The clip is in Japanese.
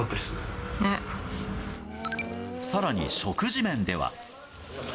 さらに食事面では。